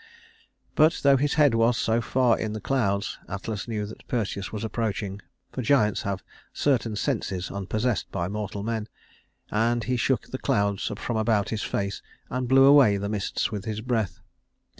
But though his head was so far in the clouds, Atlas knew that Perseus was approaching, for giants have certain senses unpossessed by mortal men, and he shook the clouds from about his face, and blew away the mists with his breath.